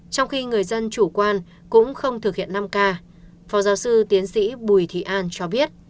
trong khi người dân chủ quan cũng không thực hiện năm k phó giáo sư tiến sĩ bùi thị an cho biết